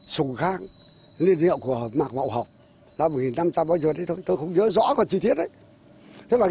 sùng khang liên hiệu của mạc mậu học năm một nghìn năm trăm linh bao giờ đấy thôi tôi không nhớ rõ còn chi tiết đấy